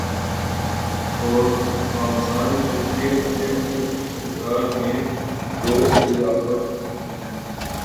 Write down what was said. کو پامال کرکے اپنے عہد اقتدار میں تو اضافہ کر سکتے ہیں